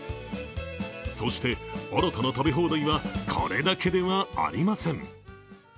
そして、新たな食べ放題はこれだけではありません。